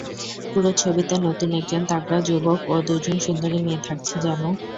পুরো ছবিতে নতুন একজন তাগড়া যুবক ও দুইজন সুন্দরী মেয়ে থাকছে, জানু।